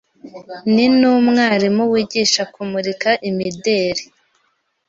ni n’umwarimu wigisha kumurika imideri